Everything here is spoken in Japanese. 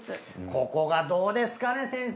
ここがどうですかね先生。